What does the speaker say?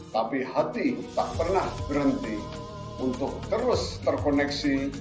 tapi hati tak pernah berhenti untuk terus terkoneksi